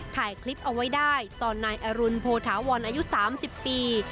ถ่ายคลิปเอาไว้ได้ตอนนายอรุณโพธาวรอายุ๓๐ปี